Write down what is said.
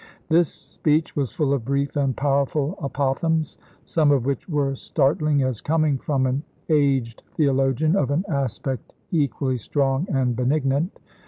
This speech was full of brief and powerful apothegms, some of which were startling as coming from an aged theologian of an aspect equally strong and benignant.